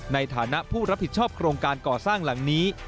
ในฐานะผู้รับผิดชอบโครงการก่อสร้างหลังนี้